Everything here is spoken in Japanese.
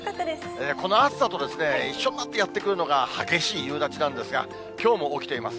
この暑さと一緒になってやって来るのが激しい夕立なんですが、きょうも起きています。